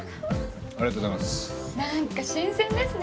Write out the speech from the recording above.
ありがとうございます。